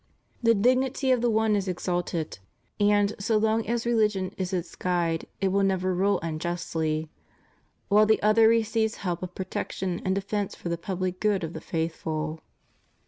The dignity of CHRISTIAN MARRIAGE. 79 the one is exalted, and so long as religion is its guide it will never rule unjustly; while the other receives help of protection and defence for the pubUe good of the faithful.